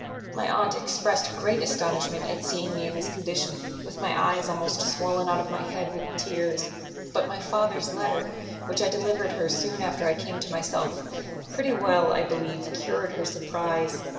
My aunt expressed great astonishment at seeing me in this condition, with my eyes almost swollen out of my head with tears; but my father's letter, which I delivered her soon after I came to myself, pretty well, I believe, cured her surprize.